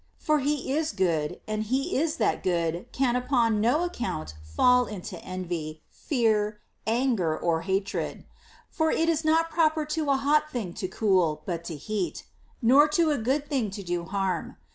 For he is good, and he that is good can upon no account fall into envy, fear, anger, or hatred ; for it is not proper to a hot thing to cool, but to heat ; nor to a good thing to do harm.